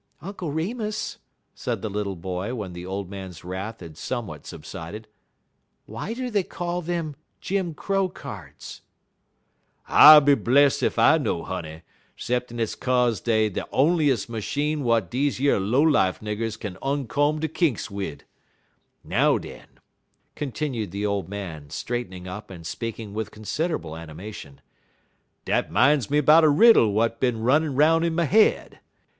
"Uncle Remus," said the little boy, when the old man's wrath had somewhat subsided, "why do they call them Jim Crow cards?" "I be bless ef I know, honey, 'ceppin' it's kaze dey er de onliest machine w'at deze yer low life niggers kin oncomb der kinks wid. Now, den," continued the old man, straightening up and speaking with considerable animation, "dat 'min's me 'bout a riddle w'at been runnin' 'roun' in my head.